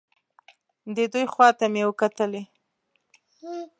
د دوی خوا ته مې وکتلې.